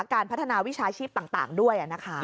การพัฒนาวิชาชีพต่างด้วยนะคะ